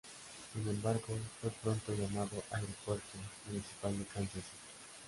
Sin embargo fue pronto llamado "Aeropuerto Municipal de Kansas City".